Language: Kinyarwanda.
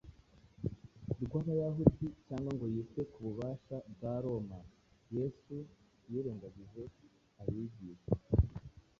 rw’Abayahudi cyangwa ngo yite ku bubasha bwa Roma. Yesu yirengagije abigisha